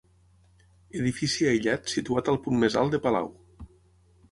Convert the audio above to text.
Edifici aïllat situat al punt més alt de Palau.